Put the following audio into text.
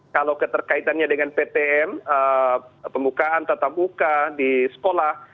kalau keterkaitannya dengan ptm pemukaan tetap buka di sekolah